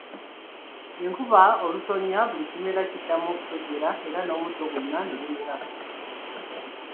Enkuba olutonya, buli kimera kiddamu okutojjera era n'omuddo gwonna ne gumera.